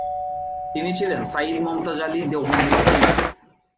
তিনি ছিলেন সাইয়িদ মমতাজ আলী দেওবন্দীর স্ত্রী।